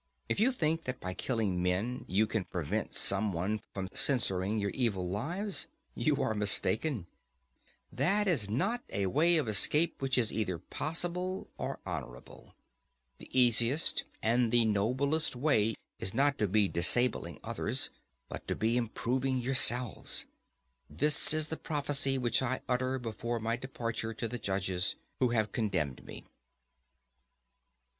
If you think that by killing men you can prevent some one from censuring your evil lives, you are mistaken; that is not a way of escape which is either possible or honourable; the easiest and the noblest way is not to be disabling others, but to be improving yourselves. This is the prophecy which I utter before my departure to the judges who have condemned me.